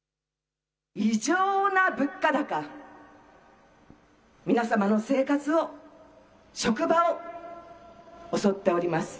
異常な物価高、皆様の生活を、職場を襲っております。